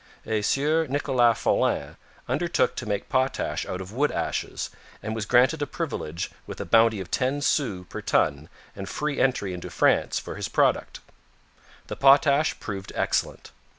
A Sieur Nicolas Follin undertook to make potash out of wood ashes, and was granted a privilege with a bounty of ten sous per ton and free entry into France for his product. The potash proved excellent.